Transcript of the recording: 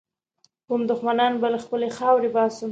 کوم دښمنان به له خپلي خاورې باسم.